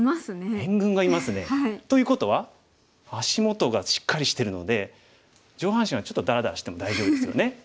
援軍がいますね。ということは足元がしっかりしてるので上半身はちょっとダラダラしても大丈夫ですよね。